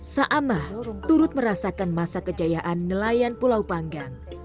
sa'amah turut merasakan masa kejayaan nelayan pulau panggang